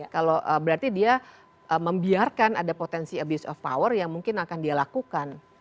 kalau berarti dia membiarkan ada potensi abuse of power yang mungkin akan dia lakukan